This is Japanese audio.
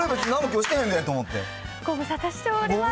ご無沙汰しております。